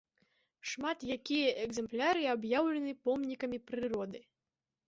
Шмат якія экзэмпляры аб'яўлены помнікамі прыроды.